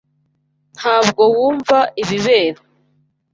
Ntabwo wumva ibibera